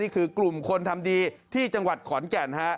คือกลุ่มคนทำดีที่จังหวัดขอนแก่น